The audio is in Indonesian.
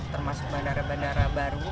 termasuk bandara bandara baru